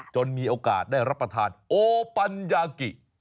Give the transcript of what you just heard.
มีโอกาสได้รับประทานโอปัญญากิ